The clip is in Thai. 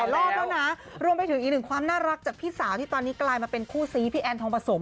รอบแล้วนะรวมไปถึงอีกหนึ่งความน่ารักจากพี่สาวที่ตอนนี้กลายมาเป็นคู่ซีพี่แอนทองผสม